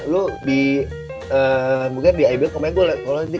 lu di mungkin di ibl kemungkinan gue lag